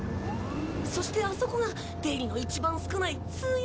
そしてあそこが出入りの一番少ない通用門。